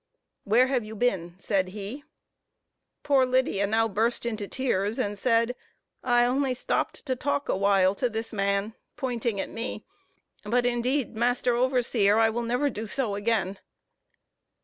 "Where have you been?" said he. Poor Lydia now burst into tears, and said, "I only stopped to talk awhile to this man," pointing to me; "but indeed, master overseer, I will never do so again."